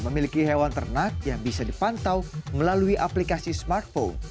memiliki hewan ternak yang bisa dipantau melalui aplikasi smartphone